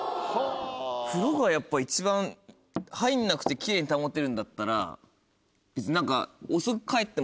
風呂がやっぱ一番入んなくて奇麗に保てるんだったら別に何か。